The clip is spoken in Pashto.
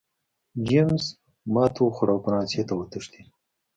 جېمز ماتې وخوړه او فرانسې ته وتښتېد.